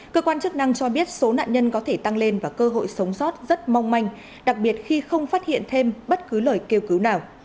cơ quan chức năng cho biết số nạn nhân có thể tăng lên và cơ hội sống sót rất mong manh đặc biệt khi không phát hiện thêm bất cứ lời kêu cứu nào